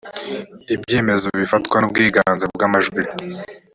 ibyemezo bifatwa n ubwiganze bw amajwi